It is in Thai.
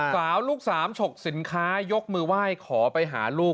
สาวลูกสามฉกสินค้ายกมือไหว้ขอไปหาลูก